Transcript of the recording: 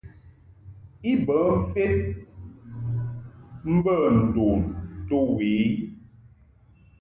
I bə mfed mbə ndon to we i.